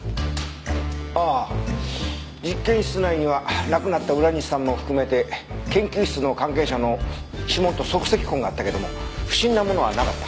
ああ実験室内には亡くなった浦西さんも含めて研究室の関係者の指紋と足跡痕があったけども不審なものはなかった。